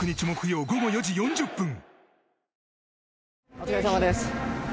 お疲れさまです。